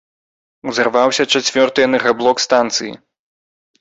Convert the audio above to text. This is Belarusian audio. Узарваўся чацвёрты энергаблок станцыі.